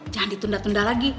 jangan ditunda tunda lagi